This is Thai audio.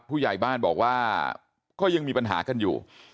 ผู้ใหญ่บ้านบอกว่าก็ยังมีปัญหากันอยู่